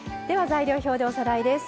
材料表でおさらいです。